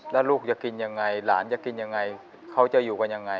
แล้วลูกจะกินยังไงหลานจะกินยังไงเขาจะอยู่กันยังไง